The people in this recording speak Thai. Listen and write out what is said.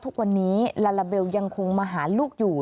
ทุกวันนี้ลาลาเบลยังคงมาหาลูกอยู่